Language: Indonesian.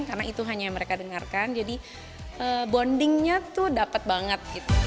karena itu hanya yang mereka dengarkan jadi bondingnya tuh dapat banget